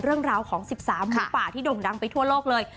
เรื่องราวของ๑๓หมูป่าที่ด่งดังไปทั่วโลกเลย